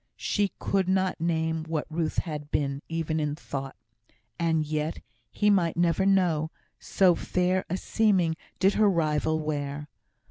she could not name what Ruth had been, even in thought. And yet he might never know, so fair a seeming did her rival wear.